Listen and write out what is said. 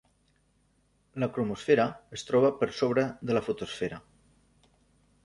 La cromosfera es troba per sobre de la fotosfera.